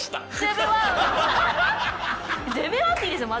「ＺＢ１」っていいですよ